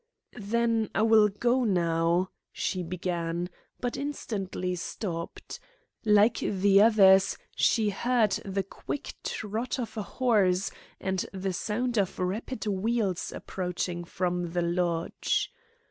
"Then I will go now " she began, but instantly stopped. Like the others, she heard the quick trot of a horse, and the sound of rapid wheels approaching from the lodge.